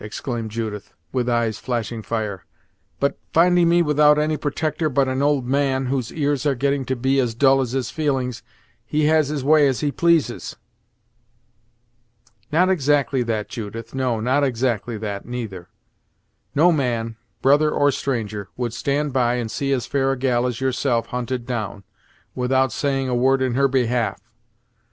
exclaimed Judith, with eyes flashing fire. "But, finding me without any protector but an old man, whose ears are getting to be as dull as his feelings, he has his way as he pleases!" "Not exactly that, Judith; no, not exactly that, neither! No man, brother or stranger, would stand by and see as fair a gal as yourself hunted down, without saying a word in her behalf.